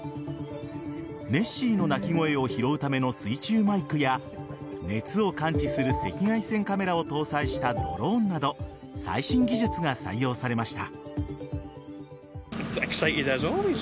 ネッシーの鳴き声を拾うための水中マイクや熱を感知する赤外線カメラを搭載したドローンなど最新技術が採用されました。